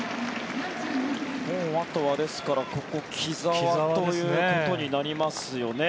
もうあとは、ですから木澤ということになりますよね。